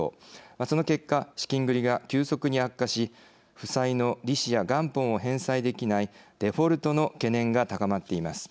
その結果資金繰りが急速に悪化し負債の利子や元本を返済できないデフォルトの懸念が高まっています。